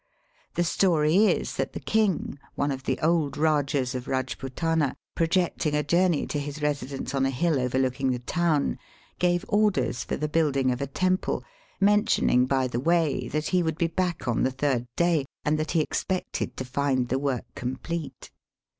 The story is that the king, one of the old Eajahs of Eajputana, projecting a journey to his residence on a hill overlooking the town, gave orders for the building of a temple, mentioning by the way that he would be back on the third day, and that he expected to find the work complete.